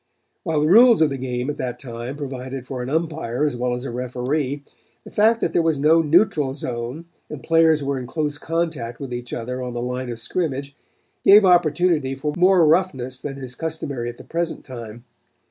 "While the rules of the game at that time provided for an Umpire as well as a Referee, the fact that there was no neutral zone and players were in close contact with each other on the line of scrimmage gave opportunity for more roughness than is customary at the present time.